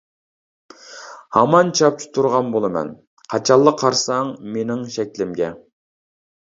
ھامان چاپچىپ تۇرغان بولىمەن قاچانلا قارىساڭ مېنىڭ شەكلىمگە.